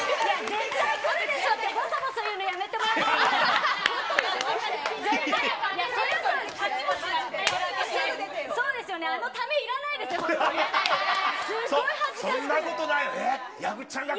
絶対来るでしょって、ぼそぼそ言うのやめてもらっていいです